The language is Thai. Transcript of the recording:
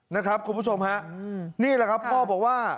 นะครับคุณผู้ชมฮะนี่แหละครับพ่อบอกว่า